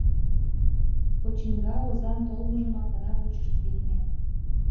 Почиҥга озан толмыжымак гына вучышт, витне.